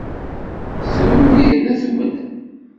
Trum yerna tumnem.